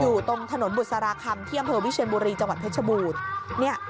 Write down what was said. อยู่ตรงถนนบุษราคำที่อำเภอวิเชียนบุรีจังหวัดเพชรบูรณ์เนี่ย